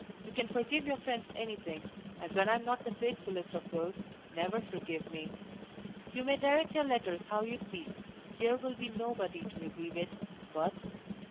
You can forgive your friends anything, and when I am not the faithfullest of those, never forgive me. You may direct your letters how you please, here will be nobody to receive it but Your. _Letter 27.